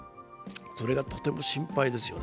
それがとても心配ですよね。